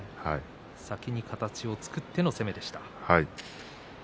先に形を作っての攻めでした。